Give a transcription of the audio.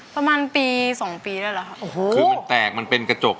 ประมาณปีสองปีได้หรอค่ะโอ้โหคือมันแตกมันเป็นกระจก